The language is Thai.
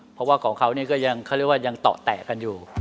เพราะว่าของเขานี่ก็ยังเขาเรียกว่ายังต่อแตะกันอยู่